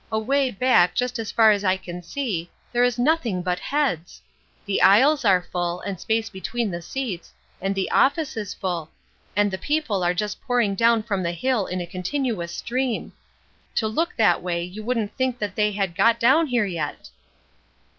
Away back, just as far as I can see, there is nothing but heads! The aisles are full, and space between the seats, and the office is full, and the people are just pouring down from the hill in a continuous stream. To look that way you wouldn't think that any had got down here yet!"